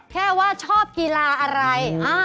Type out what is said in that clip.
แค่ว่าชอบกีฬาอะไร